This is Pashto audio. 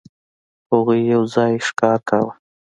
هغوی یو ځای ښکار کاوه.